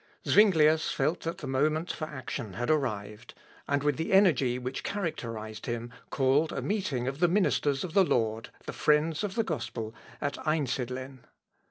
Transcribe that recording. Zuinglius felt that the moment for action had arrived, and with the energy which characterised him, called a meeting of the ministers of the Lord, the friends of the gospel, at Einsidlen.